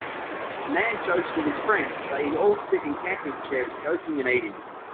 A man jokes with his friends as they all sit in camping chairs joking and eating.